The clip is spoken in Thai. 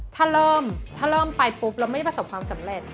ถ้าเริ่มถ้าเริ่มไปปุ๊บเราไม่ประสบความสำเร็จ